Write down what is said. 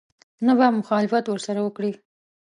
نه به مخالفت ورسره وکړي.